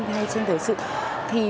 hay trên thử sự thì